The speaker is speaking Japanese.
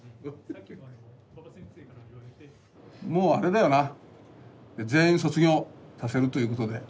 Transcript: もうあれだよな全員卒業させるということで。